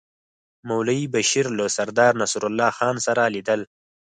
مولوي بشیر له سردار نصرالله خان سره لیدل.